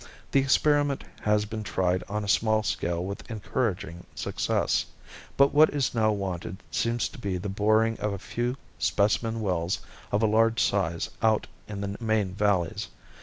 The experiment has been tried on a small scale with encouraging success. But what is now wanted seems to be the boring of a few specimen wells of a large size out in the main valleys.